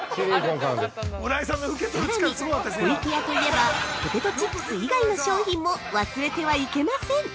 ◆さらに、湖池屋といえば、ポテトチップス以外の商品も忘れてはいけません！